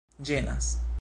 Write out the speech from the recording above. ĝenas